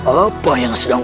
apa yang sedang